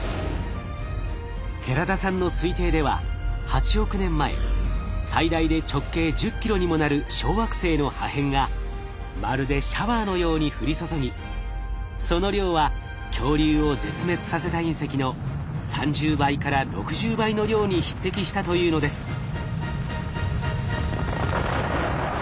寺田さんの推定では８億年前最大で直径１０キロにもなる小惑星の破片がまるでシャワーのように降り注ぎその量は恐竜を絶滅させた隕石の３０倍から６０倍の量に匹敵したというのです。